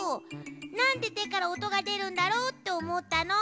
なんでてからおとがでるんだろう？っておもったの。